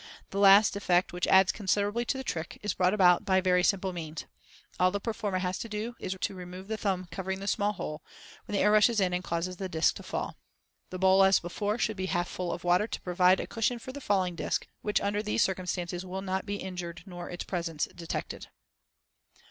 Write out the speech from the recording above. This last effect, which adds considerably to the trick, is brought about by very simple means; all the performer has to do is to remove the thumb covering the small hole, when the air rushes in and causes the disc to fall. The bowl, as before, should be half full of water, to provide a cushion for the falling disc, which under these circumstances will not be injured, nor its presence detected.